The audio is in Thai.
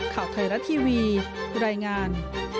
ข่าวไทยรัฐทีวีรายงาน